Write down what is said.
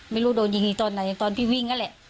ไม่รู้โดนยิงอีกตอนไหนตอนพี่วิ่งนั่นแหละ